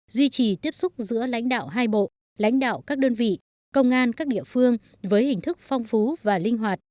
duy trì tiếp xúc giữa lãnh đạo hai bộ lãnh đạo các đơn vị công an các địa phương với hình thức phong phú và linh hoạt